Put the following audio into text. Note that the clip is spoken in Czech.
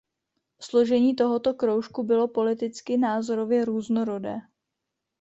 Složení tohoto kroužku bylo politicky názorově různorodé.